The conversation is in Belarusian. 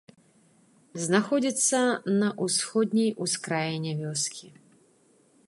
Знаходзіцца на ўсходняй ускраіне вёскі.